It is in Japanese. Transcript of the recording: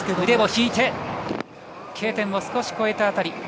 腕を引いて、Ｋ点を少し越えたあたり。